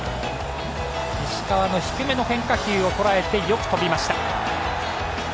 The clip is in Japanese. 石川の低めの変化球をとらえてよく飛びました。